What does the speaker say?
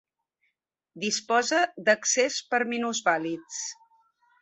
Disposa d'accés per a minusvàlids.